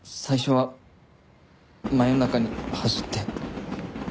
最初は真夜中に走って。